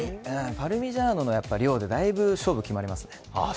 パルミジャーノの量でだいぶ勝負決まりますね。